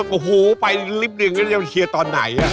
โอ้โฮไปรีบหนึ่งก็จะเชียร์ตอนไหน